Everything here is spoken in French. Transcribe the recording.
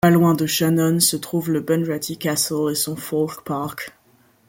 Pas loin de Shannon se trouve le Bunratty Castle et son Folk Park.